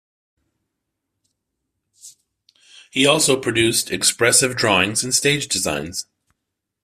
He also produced expressive drawings and stage designs.